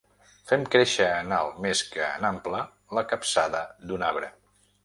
Fem créixer en alt més que en ample la capçada d'un arbre.